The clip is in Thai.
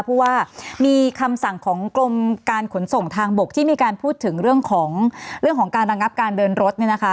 เพราะว่ามีคำสั่งของกรมการขนส่งทางบกที่มีการพูดถึงเรื่องของเรื่องของการระงับการเดินรถเนี่ยนะคะ